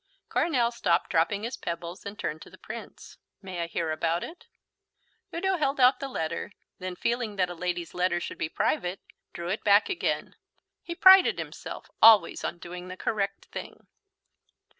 Coronel stopped dropping his pebbles and turned to the Prince. "May I hear about it?" Udo held out the letter; then feeling that a lady's letter should be private, drew it back again. He prided himself always on doing the correct thing.